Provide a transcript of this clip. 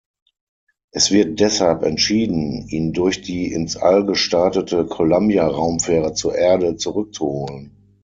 Es wird deshalb entschieden, ihn durch die ins All gestartete Columbia-Raumfähre zur Erde zurückzuholen.